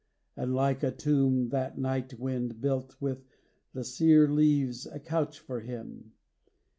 And like a tomb The night wind built with the sere leaves A couch for him.